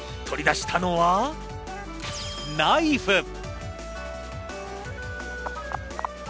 取り出したのはナイフ。